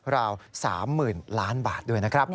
ราว๓๐๐๐ล้านบาทด้วยนะครับ